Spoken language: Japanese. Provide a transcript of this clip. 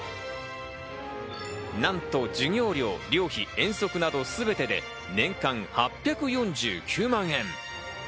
なんと授業料、寮費、遠足など、すべてで年間８４９万円。